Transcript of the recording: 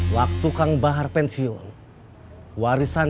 satu paket pegang jalanan